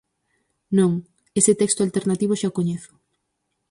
Non, ese texto alternativo xa o coñezo.